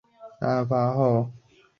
案发后赃款赃物已全部追缴。